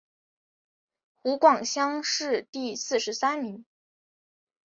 湖广乡试第四十三名。